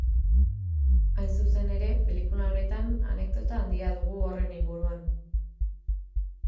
Hain zuzen ere, pelikula honetan anekdota handia dugu horren inguruan.